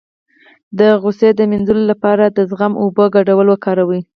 د غوسې د مینځلو لپاره د زغم او اوبو ګډول وکاروئ